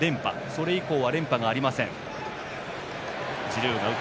それ以降は連覇がありません。